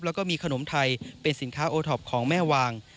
แล้วก็มีขนมไทยเป็นสินค้าโอท็อปของแม่วาง